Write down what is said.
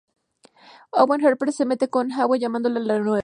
Owen Harper se mete con Gwen llamándola "la nueva".